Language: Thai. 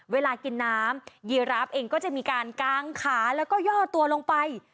เวลากินน้ำยีราฟเองก็จะมีการกางขาแล้วก็ย่อตัวลงไป